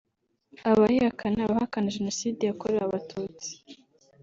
Abayihakana (abahakana Jenoside yakorewe abatutsi)